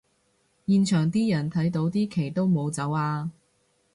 現場啲人睇到啲旗都冇走吖